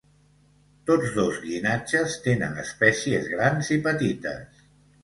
Tots dos llinatges tenen espècies grans i petites.